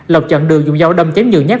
lộc chọn đường dùng dao đâm cháy nhiều nhát